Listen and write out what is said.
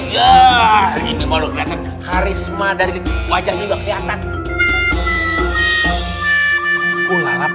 ya betul banget